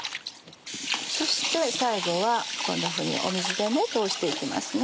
そして最後はこんなふうに水で通して行きますね。